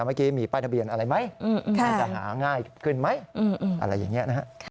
เมื่อกี้มีป้ายทะเบียนอะไรไหมมันจะหาง่ายขึ้นไหมอะไรอย่างนี้นะฮะ